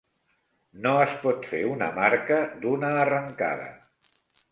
No es pot fer una marca d'una arrencada.